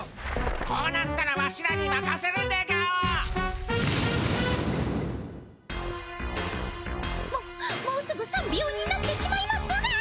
こうなったらワシらにまかせるでガオ。ももうすぐ３秒になってしまいますが。